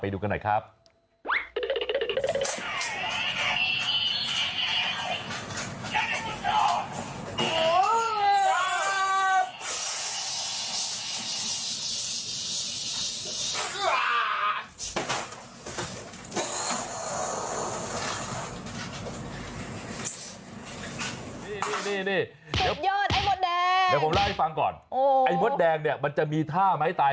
เดี๋ยวผมเล่าให้ฟังก่อนไอ้มดแดงเนี่ยมันจะมีท่าไม้ตาย